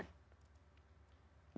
nah ini juga pelajaran kita